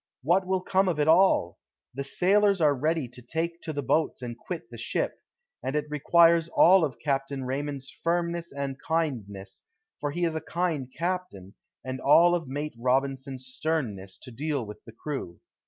What will come of it all? The sailors are ready to take to the boats and quit the ship, and it requires all of Captain Raymond's firmness and kindness, for he is a kind captain, and all of Mate Robinson's sternness, to deal with the crew.